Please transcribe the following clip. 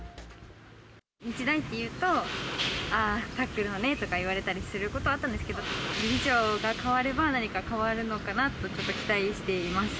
日大っていうと、ああ、タックルのねとかいわれたりすることあったんですけれども、理事長が代われば何か変わるのかなと、ちょっと期待しています。